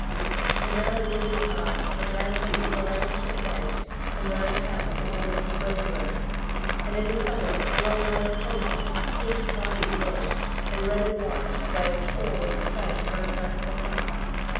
The narrow, beaten paths that ran from the verandah to the gate and round the house were bordered with rosemary. And in the summer a long line of hollyhocks, pink, white and red, and red and white, waved, tall and straight, at one side of the house.